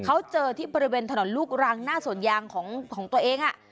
เขาเจอที่บริเวณถนนลูกรังหน้าสวนยางของตัวเอง